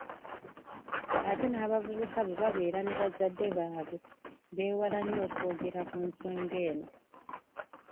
Ate n’abavubuka bwe babeera ne bazadde baabwe beewala nnyo okwogera ku nsonga eno.